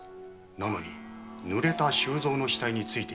なのに濡れた周蔵の死体についていました。